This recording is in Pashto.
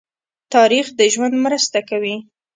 تاریخ د ژوند مرسته کوي.